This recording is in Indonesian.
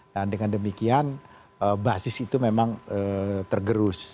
dan dengan demikian basis itu memang tergerus